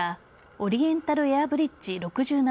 オリエンタルエアブリッジ６７